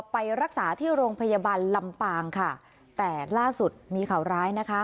ไปรักษาที่โรงพยาบาลลำปางค่ะแต่ล่าสุดมีข่าวร้ายนะคะ